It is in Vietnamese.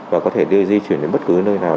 và có thể di chuyển đến bất cứ nơi nào